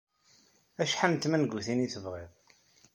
Acḥal n tmangutin ay tebɣiḍ?